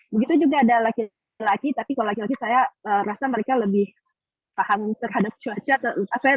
begitu juga ada laki laki tapi kalau laki laki saya rasa mereka lebih paham terhadap cuaca